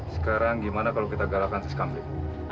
sekarang bagaimana kalau kita galakan seskambik